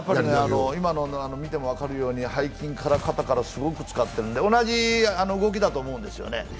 今の見ても分かるように背筋から肩からすごく使ってるので同じ動きだと思うんですよね。